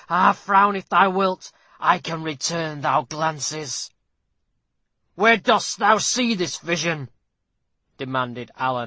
Ha frown if thou wilt; I can return thy glances." "Where dost thou see this vision?" demanded Alan.